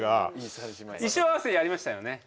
衣装合わせやりましたよね。